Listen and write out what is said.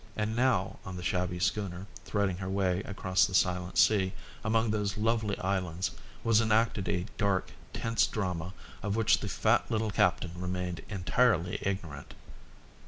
And now on the shabby schooner, threading her way across the silent sea, among those lovely islands, was enacted a dark, tense drama of which the fat little captain remained entirely ignorant.